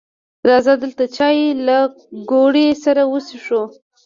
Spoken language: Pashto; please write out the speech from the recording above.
راځه دلته چای له ګوړې سره وڅښو